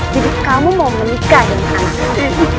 jadi kamu mau menikah dengan anakku